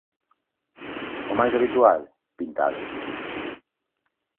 O máis habitual, pintadas.